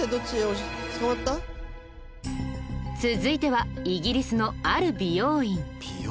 続いてはイギリスのある美容院。